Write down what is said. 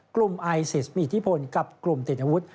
กลุ่มไอซิสมีอิทธิพลกับกลุ่มติดอาวุธ